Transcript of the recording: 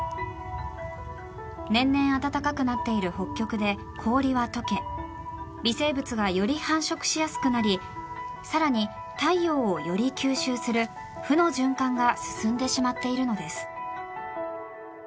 年々、暖かくなっている北極で氷は解け微生物がより繁殖しやすくなり更に太陽をより吸収する負の循環が進んでしまっているのです。